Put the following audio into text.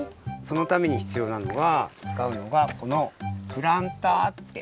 そのためにひつようなのが使うのがこのプランターって。